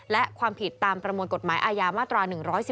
และความผิดตามประมวลกฎหมายอาญามาตรา๑๑๒